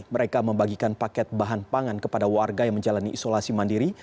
mereka membagikan paket bahan pangan kepada warga yang menjalani isolasi mandiri